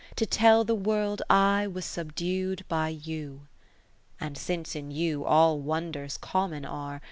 To tell the World I was subdu'd by you. And since in you all wonders common are.